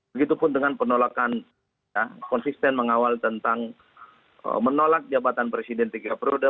begitupun dengan penolakan konsisten mengawal tentang menolak jabatan presiden tiga periode